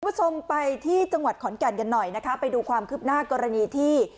คุณผู้ชมไปที่จังหวัดขอนแก่นกันหน่อยนะคะไปดูความคืบหน้ากรณีที่